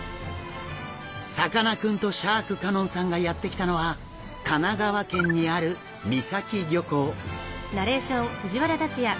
さかなクンとシャーク香音さんがやって来たのは神奈川県にある三崎漁港。